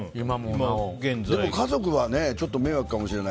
家族は迷惑かもしれない。